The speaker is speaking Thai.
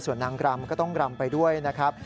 ส่วนนางรำก็ต้องรำไปด้วยนะครับ